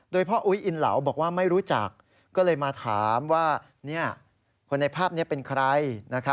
โดยพ่ออุ๊ยอินเหลาบอกว่าไม่รู้จักก็เลยมาถามว่าคนในภาพนี้เป็นใคร